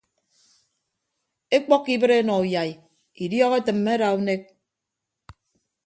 Ekpọkkọ ibịt enọ uyai idiọk etịmme ada unek.